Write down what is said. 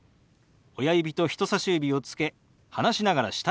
親指と人さし指をつけ離しながら下へ動かします。